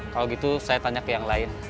kalau gitu saya tanya ke yang lain